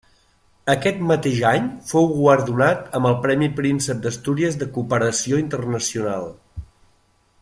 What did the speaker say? Aquest mateix any fou guardonat amb el Premi Príncep d'Astúries de Cooperació Internacional.